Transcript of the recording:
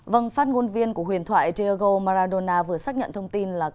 vâng phát ngôn viên của huyền thoại diego maradona vừa xác nhận thông tin là cậu bé vàng